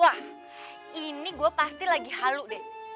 wah ini gue pasti lagi halu deh